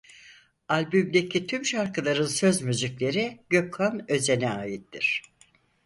Albümdeki tüm şarkıların söz müzikleri Gökhan Özen'e aittir.